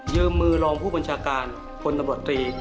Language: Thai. ยืมมือรองผู้บัญชาการคนตำรวจดี